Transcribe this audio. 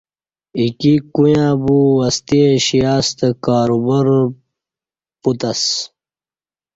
ایکی کویاں بو وسطی ایشیاستہ کاروبارہ پت اسہ